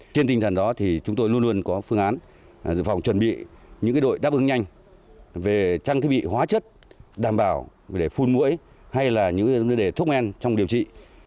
trên tinh thần đó thì chúng tôi luôn luôn có phương án dự phòng chuẩn bị những đội đáp ứng nhanh về trang thiết bị hóa chất đảm bảo về phun mũi hay là những vấn đề thuốc men trong điều trị